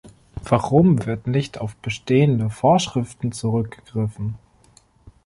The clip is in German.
Warum wird nicht auf bestehende Vorschriften zurückgegriffen?